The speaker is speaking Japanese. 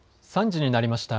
３時になりました。